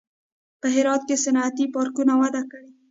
په هرات کې صنعتي پارکونه وده کړې